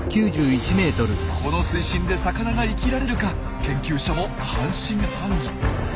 この水深で魚が生きられるか研究者も半信半疑。